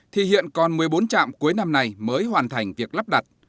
một mươi bốn trạm cuối năm này mới hoàn thành việc lắp đặt